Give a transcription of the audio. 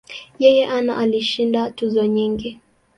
Yeye ana alishinda tuzo nyingi.